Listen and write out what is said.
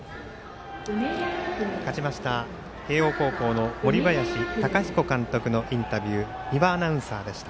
勝ちました、慶応高校の森林貴彦監督のインタビュー三輪アナウンサーでした。